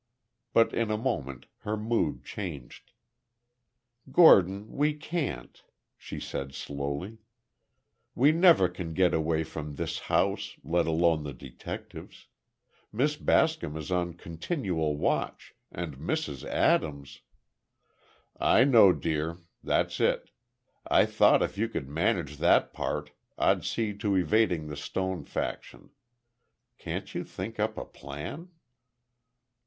But in a moment her mood changed. "Gordon, we can't," she said, slowly. "We never can get away from this house—let alone the detectives. Miss Bascom is on continual watch and Mrs. Adams—" "I know, dear. That's it. I thought if you could manage that part, I'd see to evading the Stone faction. Can't you think up a plan?"